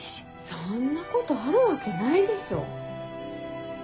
そんなことあるわけないでしょ。